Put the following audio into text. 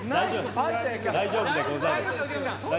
大丈夫でござる。